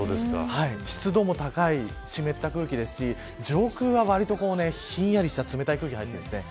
湿度も高い、湿った空気ですし上空はわりとひんやりした冷たい空気が入ってるんですね。